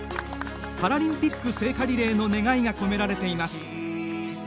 パラリンピック聖火リレーの願いが込められています。